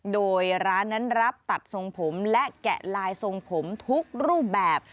โดยร้านนั้นรับตัดทรงผมและแกะลายทรงผมทุกรูปแบบ